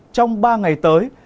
trong ba ngày tới